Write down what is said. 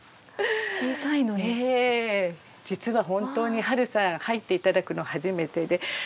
実は本当に波瑠さん入っていただくの初めてで。